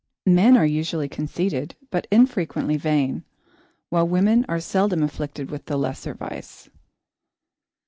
Men are usually conceited but infrequently vain, while women are seldom afflicted with the lesser vice.